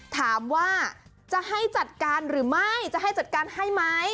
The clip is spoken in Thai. ถามว่าจะให้จัดการหรือไม่จะให้จัดการให้ไหม